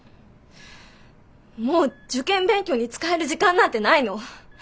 もう受験勉強に使える時間なんてないの。